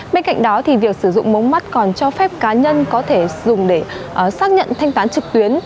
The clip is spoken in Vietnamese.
bên cạnh đó việc sử dụng mống mắt còn cho phép cá nhân có thể dùng để xác nhận thanh toán trực tuyến